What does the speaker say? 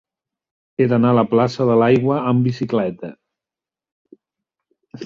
He d'anar a la plaça de l'Aigua amb bicicleta.